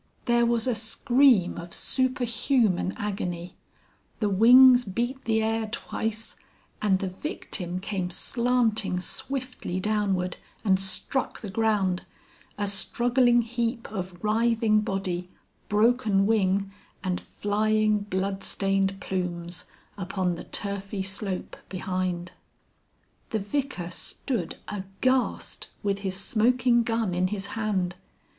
There was a scream of superhuman agony, the wings beat the air twice, and the victim came slanting swiftly downward and struck the ground a struggling heap of writhing body, broken wing and flying bloodstained plumes upon the turfy slope behind. The Vicar stood aghast, with his smoking gun in his hand.